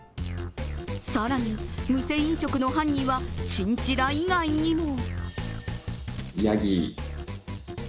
更に、無銭飲食の犯人はチンチラ以外にも。